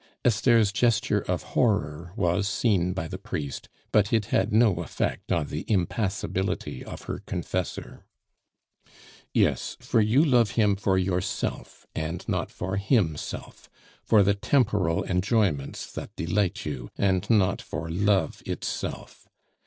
Esther's gesture of horror was seen by the priest, but it had no effect on the impassibility of her confessor. "Yes; for you love him for yourself and not for himself, for the temporal enjoyments that delight you, and not for love itself.